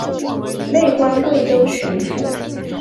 累官贵州巡抚。